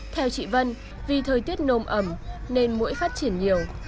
theo chị vân vì thời tiết nồm ẩm nên mũi phát triển nhiều